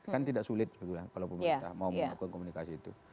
kan tidak sulit sebetulnya kalau pemerintah mau melakukan komunikasi itu